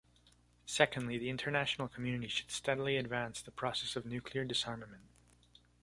Secondly, the international community should steadily advance the process of nuclear disarmament.